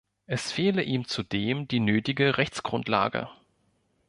Es fehle ihm zudem die nötige Rechtsgrundlage.